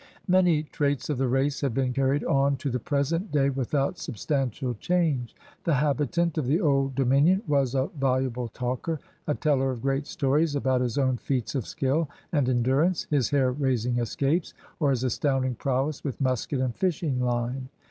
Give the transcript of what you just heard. Many traits of the race have been carried on to the present day without substantial change. The habitant (tf the old dominion was a voluble talker, a teller of great stories about his own feats of slall and ^idurance, his hair raising escapes, or his astounding prowess with musket and fishing line.